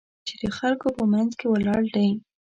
چې د خلکو په منځ کې ولاړ دی.